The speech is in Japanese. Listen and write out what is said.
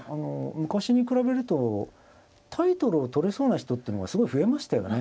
昔に比べるとタイトルを取れそうな人ってのがすごい増えましたよね。